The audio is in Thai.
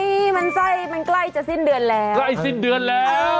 นี่มันไส้มันใกล้จะสิ้นเดือนแล้วใกล้สิ้นเดือนแล้ว